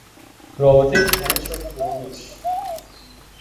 رابطه تنش-کرنش